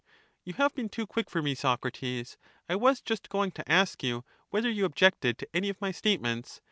You have been too quick for me, Socrates; I was just 294 going to ask you whether you objected to any of my state ments.